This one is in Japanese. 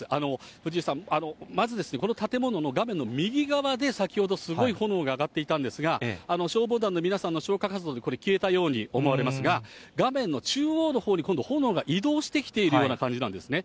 藤井さん、まずですね、この建物の画面の右側で、先ほど、すごい炎が上がっていたんですが、消防団の皆さんの消火活動でこれ消えたように思われますが、画面の中央のほうに、今度、移動してきているような感じなんですね。